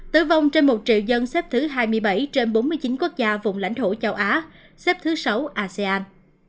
tử vong trên một triệu dân xếp thứ hai mươi bảy trên bốn mươi chín quốc gia vùng lãnh thổ châu á xếp thứ sáu asean